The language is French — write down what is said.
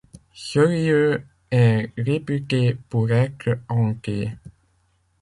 Ce lieu est réputé pour être hanté.